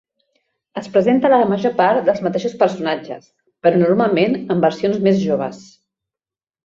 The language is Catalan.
Es presenta la major part dels mateixos personatges, però normalment en versions més joves.